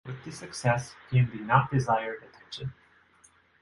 With success came the not desired attention.